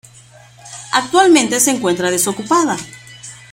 Actualmente se encuentra desocupada.